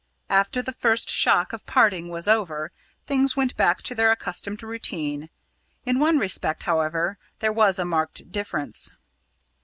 After the first shock of parting was over, things went back to their accustomed routine. In one respect, however, there was a marked difference.